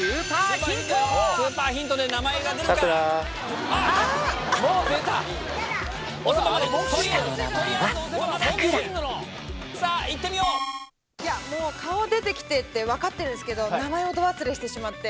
ピンポン顔出て来てて分かってるんですけど名前をど忘れしてしまって。